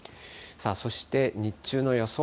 そして日中の予想